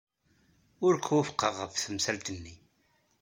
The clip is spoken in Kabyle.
Ur k-wufqeɣ ɣef temsalt-nni.